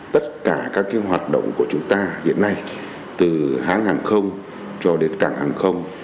tất cả các hoạt động của chúng ta hiện nay từ hãng hàng không cho đến cảng hàng không